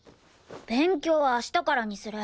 勉強は明日からにする。